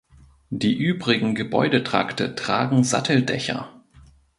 Die übrigen Gebäudetrakte tragen Satteldächer.